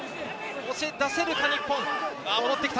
押し出せるか日本。